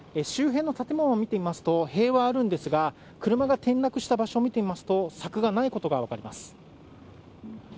周辺の建物を見てみますと塀はあるんですが車が転落した場所を見てみますと柵がないことが分かります。